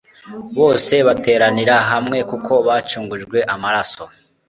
Bose bateranira hamwe kuko bacungujwe amaraso,